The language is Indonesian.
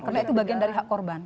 karena itu bagian dari hak korban